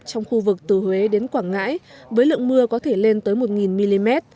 trong khu vực từ huế đến quảng ngãi với lượng mưa có thể lên tới một mm